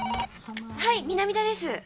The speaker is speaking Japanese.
☎はい南田です。